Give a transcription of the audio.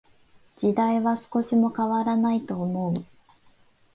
時代は少しも変らないと思う。